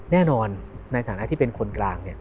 แน่นอนในฐานะที่เป็นคนกลาง